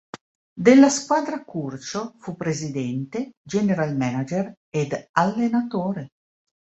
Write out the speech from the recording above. Della squadra Curcio fu presidente, general manager ed allenatore.